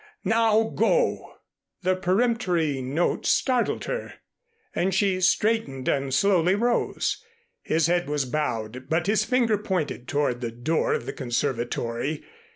Now go!" The peremptory note startled her and she straightened and slowly rose. His head was bowed but his finger pointed toward the door of the conservatory.